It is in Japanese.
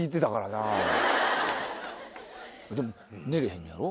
でも寝れへんねやろ？